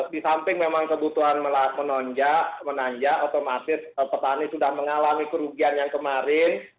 di samping memang kebutuhan menonjak menanjak otomatis petani sudah mengalami kerugian yang kemarin